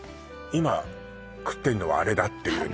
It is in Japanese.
今食ってるのはあれだっていうね